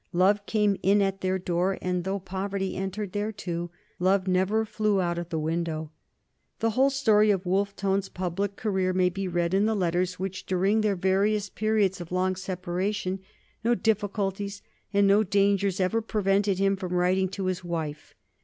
Love came in at their door and, though poverty entered there too, love never flew out at the window. The whole story of Wolfe Tone's public career may be read in the letters which, during their various periods of long separation, no difficulties and no dangers ever prevented him from writing to his wife.